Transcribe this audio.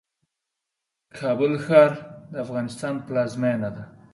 کابل ښار د افغانستان پلازمېنه ده